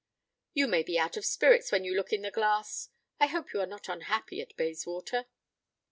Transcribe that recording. "You may be out of spirits when you look in the glass. I hope you are not unhappy at Bayswater."